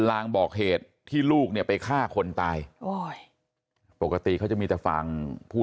ลางบอกเหตุที่ลูกเนี่ยไปฆ่าคนตายโอ้ยปกติเขาจะมีแต่ฝั่งผู้